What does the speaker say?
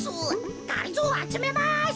がりぞーあつめます！